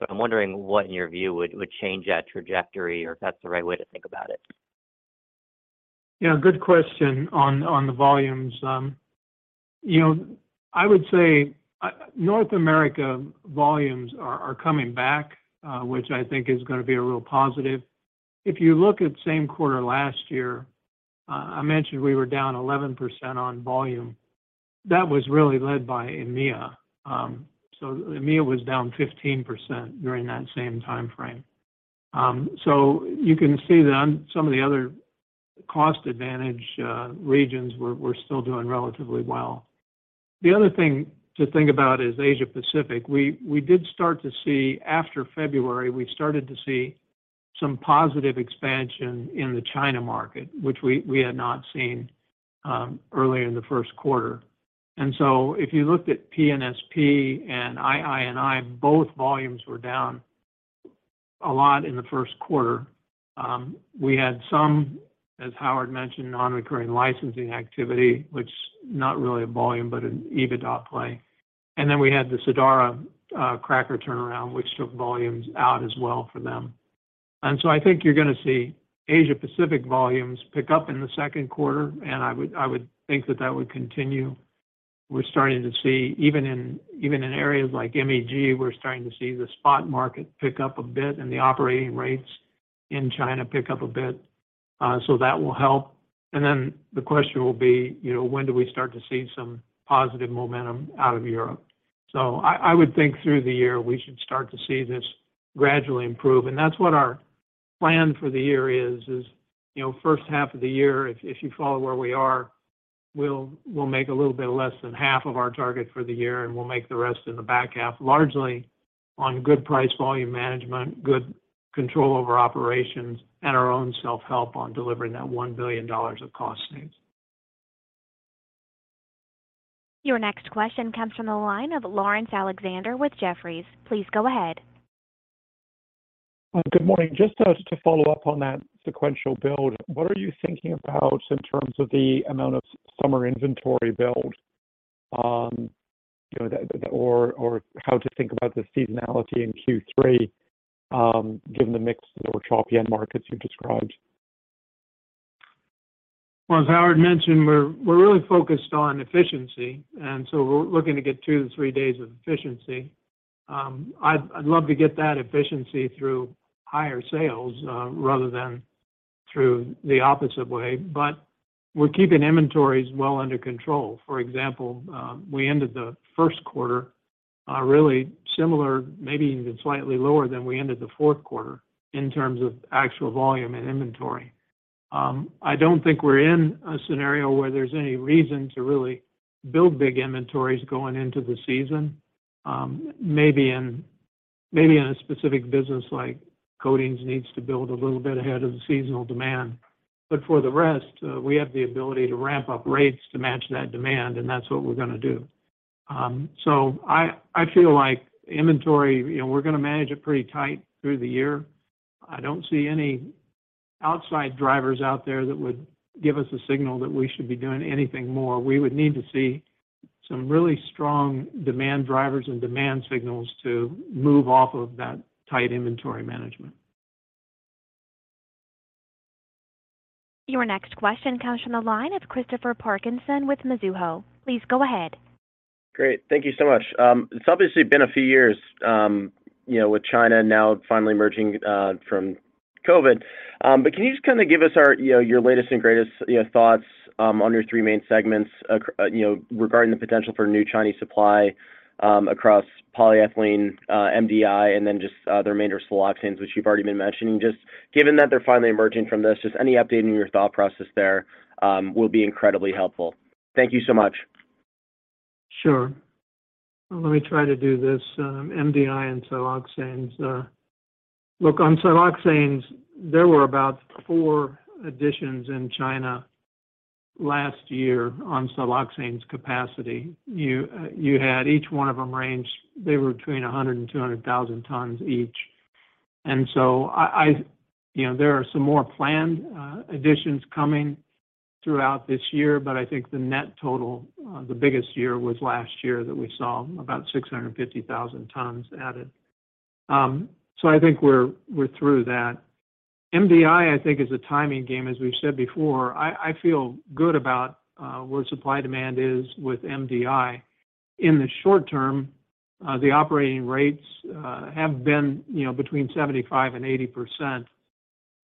I'm wondering what in your view would change that trajectory or if that's the right way to think about it. Yeah, good question on the volumes. you know, I would say North America volumes are coming back, which I think is gonna be a real positive. If you look at same quarter last year, I mentioned we were down 11% on volume. That was really led by EMEA. EMEA was down 15% during that same timeframe. you can see that on some of the other cost advantage, regions we're still doing relatively well. The other thing to think about is Asia Pacific. We did start to see after February, we started to see some positive expansion in the China market, which we had not seen earlier in the first quarter. If you looked at P&SP and II&I, both volumes were down a lot in the first quarter. We had some, as Howard mentioned, non-recurring licensing activity, which not really a volume, but an EBITDA play. We had the Sadara cracker turnaround, which took volumes out as well for them. I think you're gonna see Asia Pacific volumes pick up in the second quarter, and I would, I would think that that would continue. We're starting to see even in, even in areas like MEG, we're starting to see the spot market pick up a bit and the operating rates in China pick up a bit. That will help. The question will be, you know, when do we start to see some positive momentum out of Europe? I would think through the year we should start to see this gradually improve. That's what our plan for the year is, you know, first half of the year if you follow where we are, we'll make a little bit less than half of our target for the year, and we'll make the rest in the back half, largely on good price volume management, good control over operations, and our own self-help on delivering that $1 billion of cost saves. Your next question comes from the line of Laurence Alexander with Jefferies. Please go ahead. Good morning. Just to follow up on that sequential build, what are you thinking about in terms of the amount of summer inventory build, you know, or how to think about the seasonality in Q3, given the mix or choppy end markets you've described? As Howard mentioned, we're really focused on efficiency, and so we're looking to get two to three days of efficiency. I'd love to get that efficiency through higher sales, rather than through the opposite way, but we're keeping inventories well under control. For example, we ended the 1st quarter, really similar, maybe even slightly lower than we ended the fourth quarter in terms of actual volume and inventory. I don't think we're in a scenario where there's any reason to really build big inventories going into the season. maybe in a specific business like coatings needs to build a little bit ahead of the seasonal demand. For the rest, we have the ability to ramp up rates to match that demand, and that's what we're gonna do. I feel like inventory, you know, we're gonna manage it pretty tight through the year. I don't see any outside drivers out there that would give us a signal that we should be doing anything more. We would need to see some really strong demand drivers and demand signals to move off of that tight inventory management. Your next question comes from the line of Christopher Parkinson with Mizuho. Please go ahead. Great. Thank you so much. It's obviously been a few years, you know, with China now finally emerging from COVID. Can you just kinda give us our, you know, your latest and greatest, you know, thoughts on your three main segments, you know, regarding the potential for new Chinese supply across polyethylene, MDI, and then just the remainder siloxanes, which you've already been mentioning? Just given that they're finally emerging from this, just any update in your thought process there, will be incredibly helpful. Thank you so much. Sure. Let me try to do this. MDI and siloxanes. Look, on siloxanes, there were about four additions in China last year on siloxanes capacity. You, you had each one of them range, they were between 100,000 and 200,000 tons each. I, you know, there are some more planned additions coming throughout this year, but I think the net total, the biggest year was last year that we saw about 650,000 tons added. I think we're through that. MDI, I think is a timing game, as we've said before. I feel good about where supply-demand is with MDI. In the short term, the operating rates have been, you know, between 75%-80%.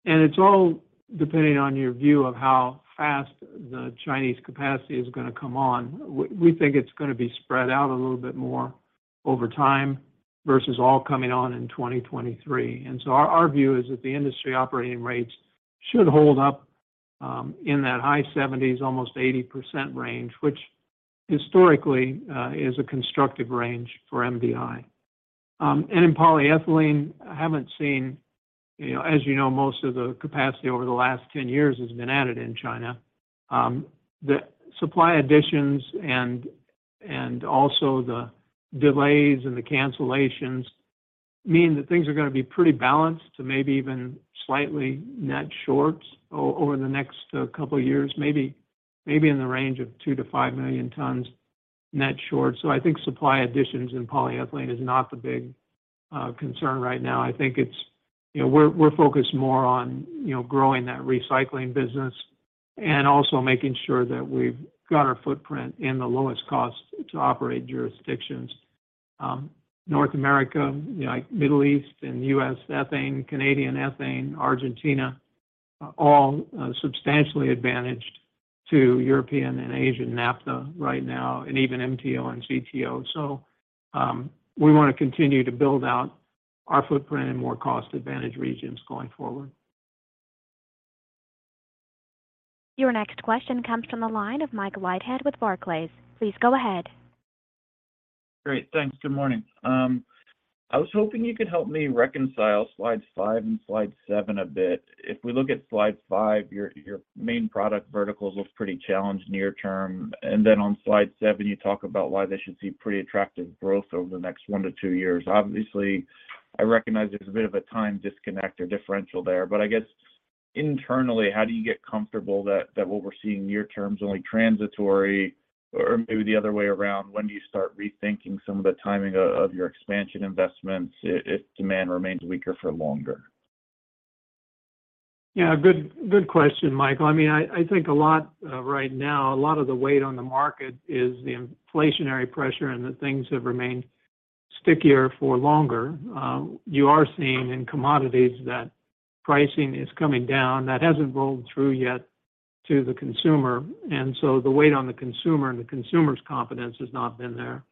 It's all depending on your view of how fast the Chinese capacity is going to come on. We think it's going to be spread out a little bit more over time versus all coming on in 2023. Our view is that the industry operating rates should hold up in that high 70s, almost 80% range, which historically is a constructive range for MDI. In polyethylene, I haven't seen, you know, as you know, most of the capacity over the last 10 years has been added in China. The supply additions and also the delays and the cancellations mean that things are going to be pretty balanced to maybe even slightly net short over the next couple of years, maybe in the range of 2 million-5 million tons net short. I think supply additions in polyethylene is not the big concern right now. We're focused more on growing that recycling business and also making sure that we've got our footprint in the lowest cost to operate jurisdictions. North America, Middle East and U.S. ethane, Canadian ethane, Argentina, are all substantially advantaged to European and Asian naphtha right now, and even MTO and CTO. We wanna continue to build out our footprint in more cost-advantaged regions going forward. Your next question comes from the line of Michael Leithead with Barclays. Please go ahead. Great. Thanks. Good morning. I was hoping you could help me reconcile slides five and slide seven a bit. If we look at slide five, your main product verticals look pretty challenged near term. On slide seven, you talk about why they should see pretty attractive growth over the next one to two years. I recognize there's a bit of a time disconnect or differential there. I guess internally, how do you get comfortable that what we're seeing near term's only transitory or maybe the other way around, when do you start rethinking some of the timing of your expansion investments if demand remains weaker for longer? Yeah. Good question, Michael. I mean, I think a lot right now, a lot of the weight on the market is the inflationary pressure and the things have remained stickier for longer. You are seeing in commodities that pricing is coming down. That hasn't rolled through yet to the consumer. The weight on the consumer and the consumer's confidence has not been there.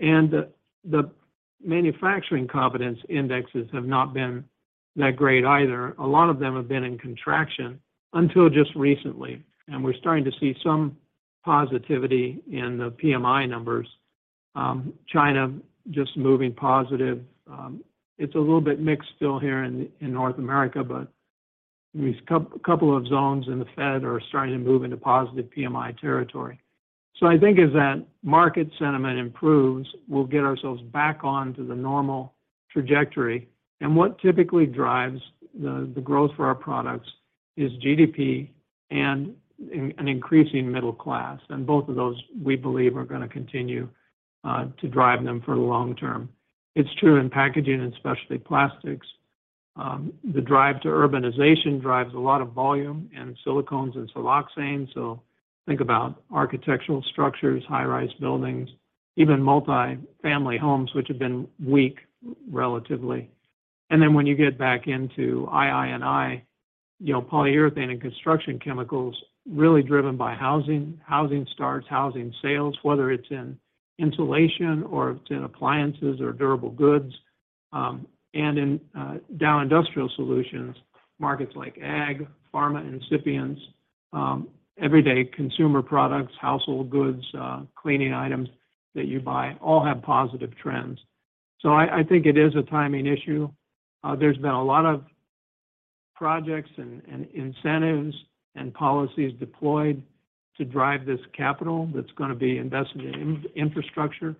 The manufacturing confidence indexes have not been that great either. A lot of them have been in contraction until just recently, we're starting to see some positivity in the PMI numbers. China just moving positive. It's a little bit mixed still here in North America, these couple of zones in the Fed are starting to move into positive PMI territory. I think as that market sentiment improves, we'll get ourselves back on to the normal trajectory. What typically drives the growth for our products is GDP and an increasing middle class. Both of those, we believe are gonna continue to drive them for the long term. It's true in Packaging & Specialty Plastics. The drive to urbanization drives a lot of volume and silicones and siloxanes. Think about architectural structures, high-rise buildings, even multifamily homes which have been weak relatively. When you get back into II&I, you know, Polyurethanes & Construction Chemicals really driven by housing starts, housing sales, whether it's in insulation or it's in appliances or durable goods. In Dow Industrial Solutions, markets like ag, pharma, excipients, everyday consumer products, household goods, cleaning items that you buy all have positive trends. I think it is a timing issue. There's been a lot of projects and incentives and policies deployed to drive this capital that's gonna be invested in infrastructure,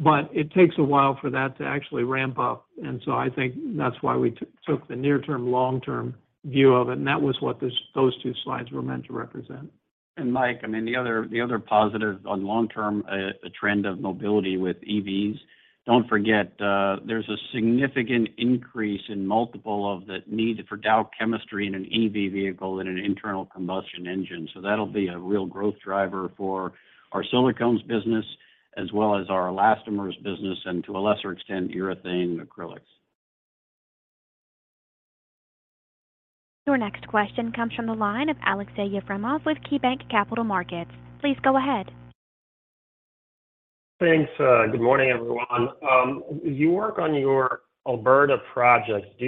but it takes a while for that to actually ramp up. I think that's why we took the near term/long term view of it, and that was what those two slides were meant to represent. Mike, I mean, the other, the other positive on long-term trend of mobility with EVs, don't forget, there's a significant increase in multiple of the need for Dow chemistry in an EV vehicle in an internal combustion engine. That'll be a real growth driver for our silicones business as well as our elastomers business and to a lesser extent, urethane acrylics. Your next question comes from the line of Aleksey Yefremov with KeyBanc Capital Markets. Please go ahead. Thanks. Good morning, everyone. You work on your Alberta project, do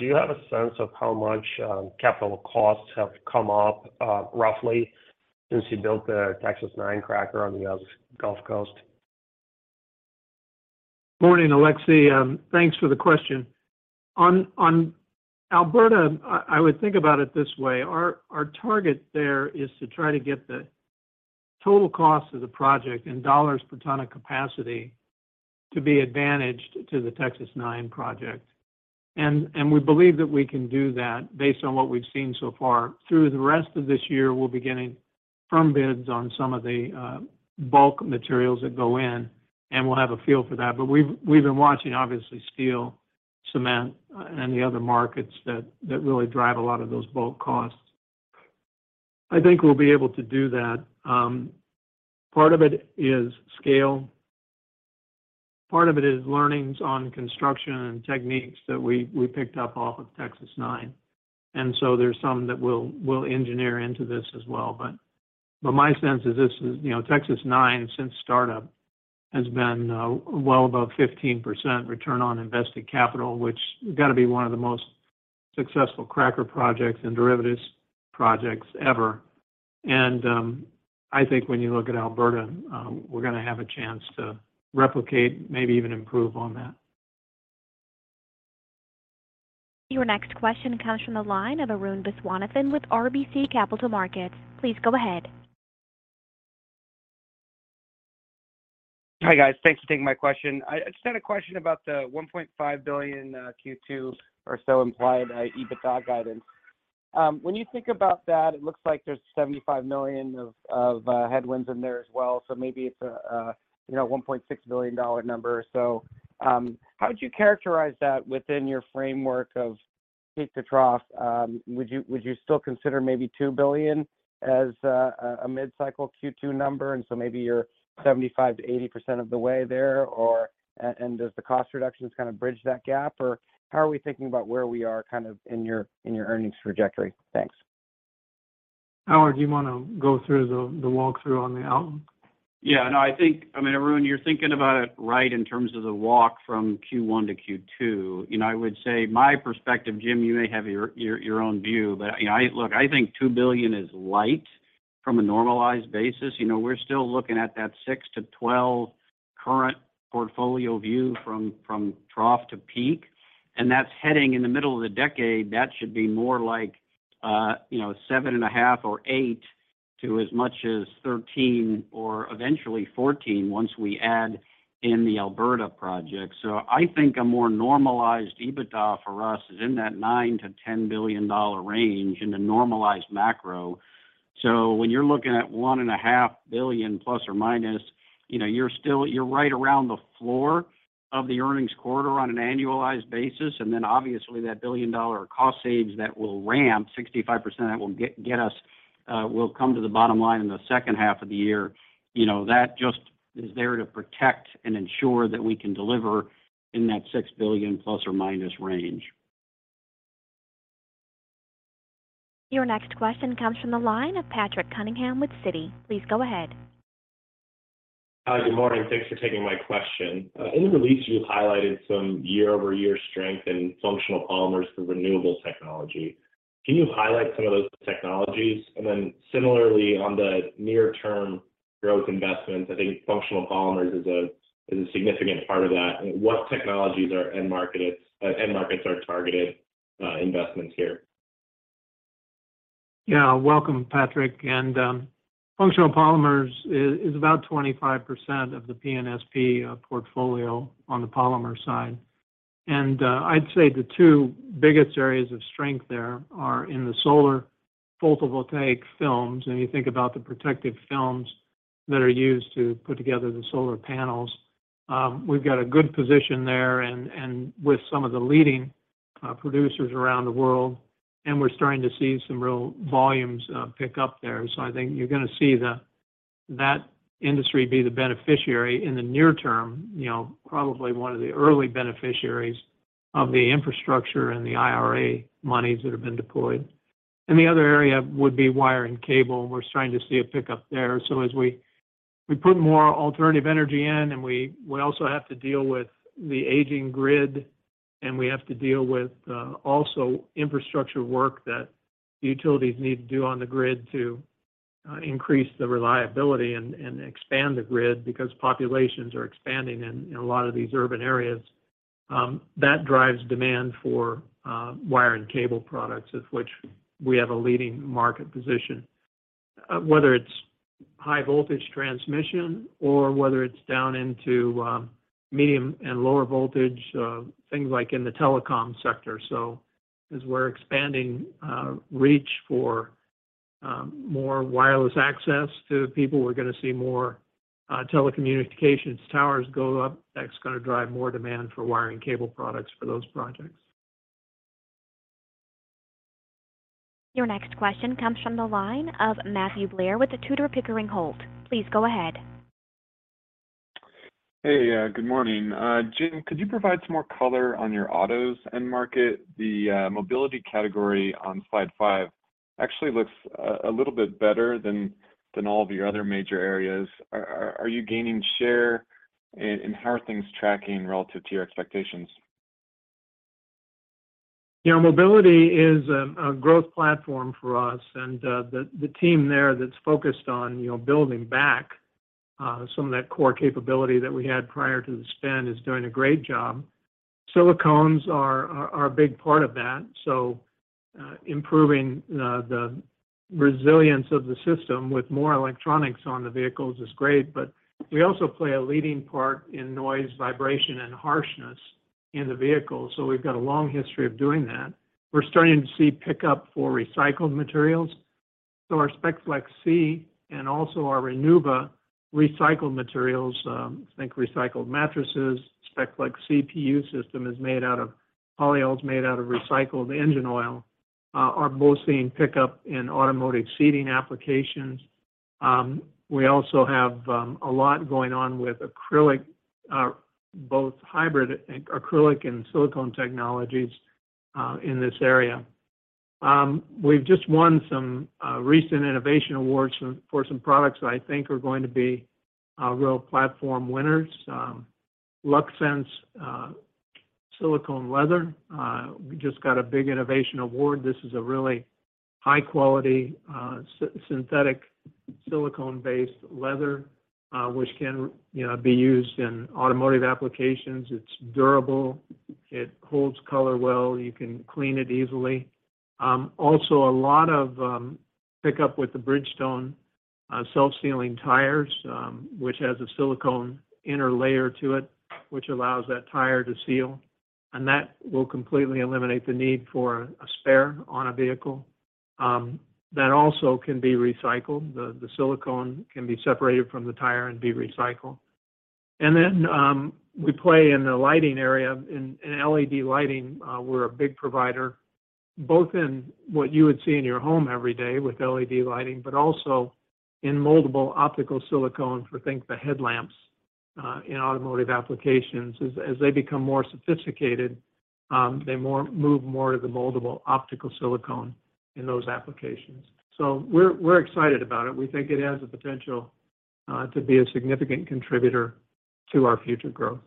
you have a sense of how much capital costs have come up roughly since you built the Texas-Nine cracker on the Gulf Coast? Morning, Aleksey. Thanks for the question. On Alberta, I would think about it this way. Our target there is to try to get the total cost of the project in dollars per ton of capacity to be advantaged to the Texas-Nine project. We believe that we can do that based on what we've seen so far. Through the rest of this year, we'll be getting firm bids on some of the bulk materials that go in, and we'll have a feel for that. We've been watching obviously steel, cement, and the other markets that really drive a lot of those bulk costs. I think we'll be able to do that. Part of it is scale. Part of it is learnings on construction and techniques that we picked up off of Texas-Nine. There's some that we'll engineer into this as well, but my sense is this is, you know, Texas-Nine since startup has been well above 15% return on invested capital, which gotta be one of the most successful cracker projects and derivatives projects ever. I think when you look at Alberta, we're gonna have a chance to replicate, maybe even improve on that. Your next question comes from the line of Arun Viswanathan with RBC Capital Markets. Please go ahead. Hi, guys. Thanks for taking my question. I just had a question about the $1.5 billion Q2 or so implied EBITDA guidance. When you think about that, it looks like there's $75 million of headwinds in there as well. Maybe it's a, you know, $1.6 billion number or so. How would you characterize that within your framework of peak to trough? Would you still consider maybe $2 billion as a mid-cycle Q2 number, and so maybe you're 75%-80% of the way there? And does the cost reductions kinda bridge that gap? How are we thinking about where we are kind of in your earnings trajectory? Thanks. Howard, do you wanna go through the walkthrough on the outlook? No, I think, I mean, everyone, you're thinking about it right in terms of the walk from Q1 to Q2. You know, I would say my perspective, Jim, you may have your own view, but you know, I look, I think $2 billion is light from a normalized basis. You know, we're still looking at that $6 billion-$12 billion current portfolio view from trough to peak, and that's heading in the middle of the decade. That should be more like, you know, $7.5 billion or $8 billion to as much as $13 billion or eventually $14 billion once we add in the Alberta project. I think a more normalized EBITDA for us is in that $9 billion-$10 billion range in a normalized macro. When you're looking at $1.5 billion ±, you know, you're right around the floor of the earnings quarter on an annualized basis. Obviously that billion-dollar cost saves that will ramp, 65% of that will get us will come to the bottom line in the second half of the year. That just is there to protect and ensure that we can deliver in that $6 billion ± range. Your next question comes from the line of Patrick Cunningham with Citi. Please go ahead. Hi, good morning. Thanks for taking my question. In the release, you highlighted some year-over-year strength in functional polymers for renewable technology. Can you highlight some of those technologies? Similarly on the near-term growth investments, I think functional polymers is a significant part of that. What technologies are end markets are targeted investments here? Yeah, welcome Patrick. Functional polymers is about 25% of the P&SP portfolio on the polymer side. I'd say the two biggest areas of strength there are in the solar photovoltaic films, and you think about the protective films that are used to put together the solar panels. We've got a good position there and with some of the leading producers around the world, and we're starting to see some real volumes pick up there. I think you're gonna see that industry be the beneficiary in the near term, you know, probably one of the early beneficiaries of the infrastructure and the IRA monies that have been deployed. The other area would be wire and cable, and we're starting to see a pickup there. As we put more alternative energy in, and we also have to deal with the aging grid, and we have to deal with also infrastructure work that utilities need to do on the grid to increase the reliability and expand the grid because populations are expanding in a lot of these urban areas. That drives demand for wire and cable products, of which we have a leading market position. Whether it's high voltage transmission or whether it's down into medium and lower voltage, things like in the telecom sector. As we're expanding reach for more wireless access to people, we're gonna see more telecommunications towers go up. That's gonna drive more demand for wire and cable products for those projects. Your next question comes from the line of Matthew Blair with the Tudor, Pickering, Holt. Please go ahead. Hey, good morning. Jim, could you provide some more color on your autos end market? The mobility category on slide five actually looks a little bit better than all of your other major areas. Are you gaining share? How are things tracking relative to your expectations? Yeah. Mobility is a growth platform for us, and the team there that's focused on, you know, building back some of that core capability that we had prior to the spend is doing a great job. Silicones are a big part of that, so improving the resilience of the system with more electronics on the vehicles is great. We also play a leading part in noise, vibration, and harshness in the vehicle, so we've got a long history of doing that. We're starting to see pickup for recycled materials, so our SPECFLEX C and also our RENUVA recycled materials, think recycled mattresses, SPECFLEX C PU system is made out of polyol is made out of recycled engine oil, are both seeing pickup in automotive seating applications. We also have a lot going on with acrylic, both hybrid and acrylic and silicone technologies in this area. We've just won some recent innovation awards for some products that I think are going to be real platform winners. LUXSENSE silicone leather, we just got a big innovation award. This is a really high quality, synthetic silicone-based leather, which can, you know, be used in automotive applications. It's durable, it holds color well, you can clean it easily. Also a lot of pickup with the Bridgestone self-sealing tires, which has a silicone inner layer to it, which allows that tire to seal, and that will completely eliminate the need for a spare on a vehicle. That also can be recycled. The silicone can be separated from the tire and be recycled. Then, we play in the lighting area. In LED lighting, we're a big provider both in what you would see in your home every day with LED lighting, but also in moldable optical silicone for, think, the headlamps in automotive applications. As they become more sophisticated, they move more to the moldable optical silicone in those applications. We're excited about it. We think it has the potential to be a significant contributor to our future growth.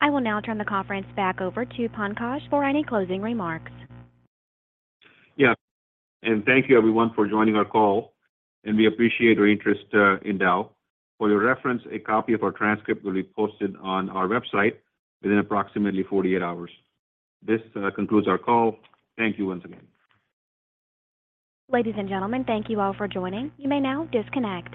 I will now turn the conference back over to Pankaj for any closing remarks. Yeah. Thank you everyone for joining our call, and we appreciate your interest in Dow. For your reference, a copy of our transcript will be posted on our website within approximately 48 hours. This concludes our call. Thank you once again. Ladies and gentlemen, thank you all for joining. You may now disconnect.